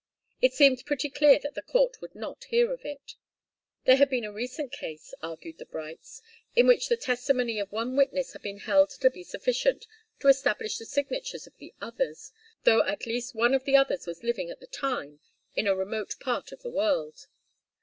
It seemed pretty clear that the court would not hear of it. There had been a recent case, argued the Brights, in which the testimony of one witness had been held to be sufficient to establish the signatures of the others, though at least one of the others was living at the time in a remote part of the world.